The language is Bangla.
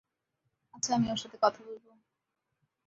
আচ্ছা, আমি ওর সাথে কথা বলব।